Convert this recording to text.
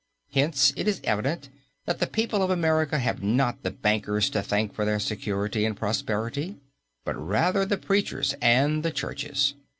Hence, it is evident that the people of America have not the bankers to thank for their security and prosperity, but rather the preachers and the churches.